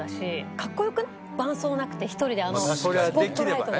伴奏なくて１人であのスポットライトで。